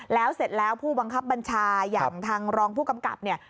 แล้วเสร็จแล้วผู้บังคับบัญชาอย่างทางรองผู้กำกับเนี่ย